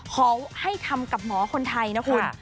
ขอให้ทำกับหมอคนไทยนะคุณ